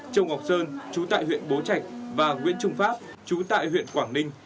châu ngọc sơn trú tại huyện bố trạch và nguyễn trung pháp chú tại huyện quảng ninh